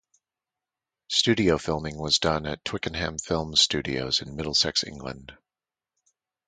Studio filming was done at Twickenham Film Studios in Middlesex, England.